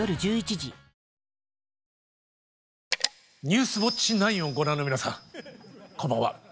「ニュースウオッチ９」をご覧の皆さんこんばんは。